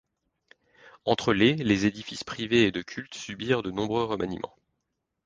Entre les les édifices privés et de culte subirent de nombreux remaniements.